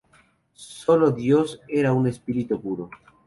Sólo Dios era un espíritu puro.